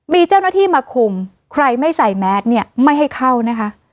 มีเจ้าหน้าที่มาคุมใครไม่ใส่แมสเนี่ยไม่ให้เข้านะคะ